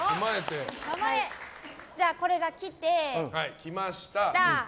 じゃあ、これが来て。